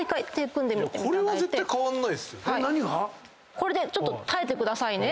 これでちょっと耐えてくださいね。